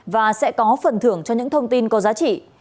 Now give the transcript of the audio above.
và sẽ có phần thưởng cho những thông tin có giá trị